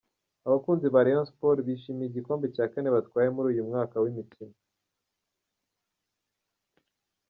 Abakunzi ba Rayon Sport bishimiye igikombe cya kane batwaye muri uyu mwaka w’imikino.